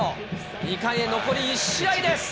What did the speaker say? ２冠へ残り１試合です。